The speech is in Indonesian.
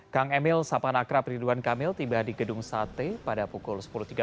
kang emil sapan akra ridwan kamil tiba di gedung sate pada pukul sepuluh tiga puluh